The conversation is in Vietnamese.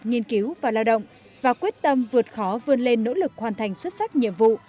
nghiên cứu và lao động và quyết tâm vượt khó vươn lên nỗ lực hoàn thành xuất sắc nhiệm vụ